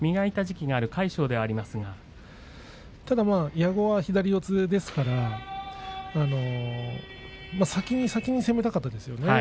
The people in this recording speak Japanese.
矢後は左四つですから先に先に攻めたかったですね。